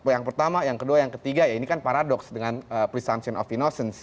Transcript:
yang pertama yang kedua yang ketiga ya ini kan paradoks dengan presumption of innocense